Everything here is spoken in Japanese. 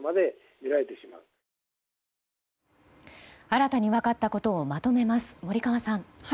新たに分かったことをまとめます、森川さん。